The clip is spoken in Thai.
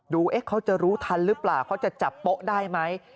เขาจะรู้ทันหรือเปล่าเขาจะจับโป๊ะได้ไหม